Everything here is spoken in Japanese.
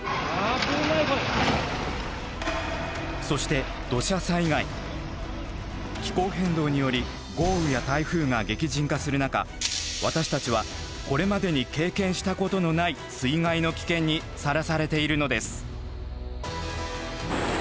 そして気候変動により豪雨や台風が激甚化する中私たちはこれまでに経験したことのない水害の危険にさらされているのです。